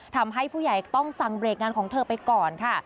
ทำให้ผู้ใหญ่ต้องสั่งเบรกงานของเธอไปก่อนค่ะ